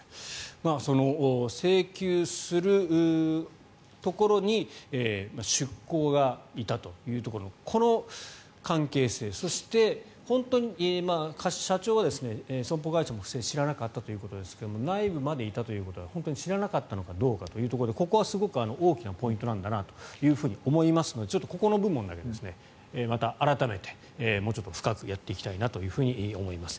請求するところに出向がいたというところのこの関係性、そして本当に社長は損保会社も不正知らなかったということですが内部までいたということは本当に知らなかったのかどうかというところでここはすごく大きなポイントなんだなと思いますがここの部分ですねまた改めてもうちょっと深くやっていきたいなと思います。